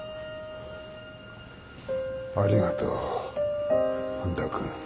ありがとう半田君。